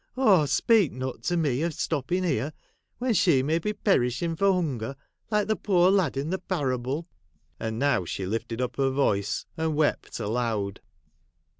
Oh ! speak not to me of stopping here, when she may be perishing for hunger, like the poor lad in the parable.' And now she lifted up her voice and wept aloud.